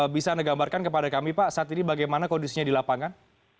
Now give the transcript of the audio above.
bisa anda gambarkan kepada kami pak saat ini bagaimana kondisinya di lapangan